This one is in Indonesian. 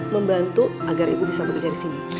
membantu agar ibu bisa bekerja di sini